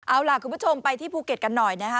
เอาล่ะคุณผู้ชมไปที่ภูเก็ตกันหน่อยนะคะ